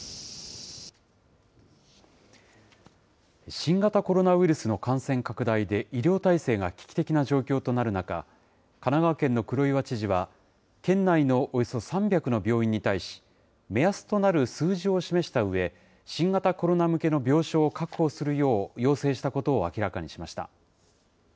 新型コロナウイルスの感染拡大で、医療体制が危機的な状況となる中、神奈川県の黒岩知事は、県内のおよそ３００の病院に対し、目安となる数字を示したうえ、新型コロナ向けの病床を確保するよう要請したことを明らかにしま